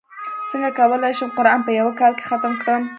څنګه کولی شم قران په یوه کال کې ختم کړم